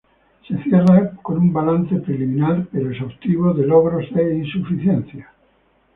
Se cierra con un balance preliminar pero exhaustivo de logros e insuficiencias.